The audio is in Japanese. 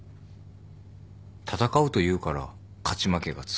「闘う」と言うから勝ち負けがつく。